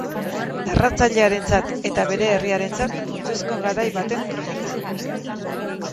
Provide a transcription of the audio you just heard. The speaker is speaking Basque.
Narratzailearentzat eta bere herriarentzat funtsezko garai baten kronika.